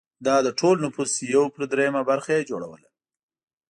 دا د ټول نفوس یو پر درېیمه برخه یې جوړوله